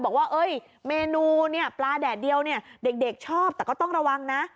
บอกว่าเมนูเนี่ยปลาแดดเดียวเนี่ยเด็กชอบแต่ก็ต้องระวังนะ